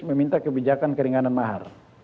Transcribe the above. meminta kebijakan keringanan mahar